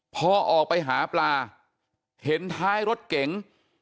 พอออกไปหาปลาเห็นท้ายรถเก๋ง